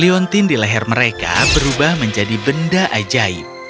leontin di leher mereka berubah menjadi benda ajaib